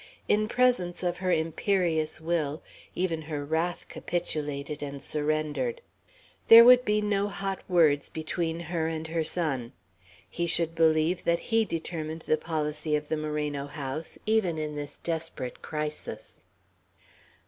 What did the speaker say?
In presence of her imperious will, even her wrath capitulated and surrendered. There would be no hot words between her and her son. He should believe that he determined the policy of the Moreno house, even in this desperate crisis.